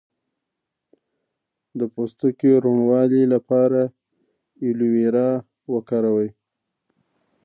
د پوستکي روڼوالي لپاره ایلوویرا وکاروئ